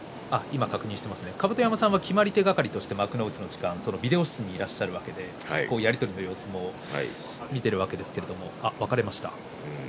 甲山さんは決まり手係としてビデオ室にいらっしゃいますがやり取りの様子を見ているわけですが、分かれました。